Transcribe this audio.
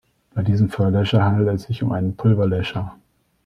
Bei diesem Feuerlöscher handelt es sich um einen Pulverlöscher.